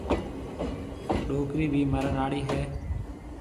ڏُوڪرِي ڀِي مرڻ آݪِي هيَ۔